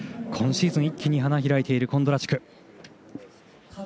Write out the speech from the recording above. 今シーズン一気に花開いているコンドラチュク。